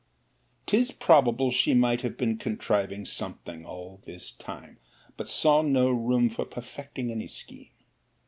''Tis probable she might have been contriving something all this time; but saw no room for perfecting any scheme.